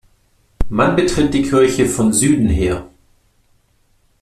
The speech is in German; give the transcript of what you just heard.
Man betritt die Kirche von Süden her.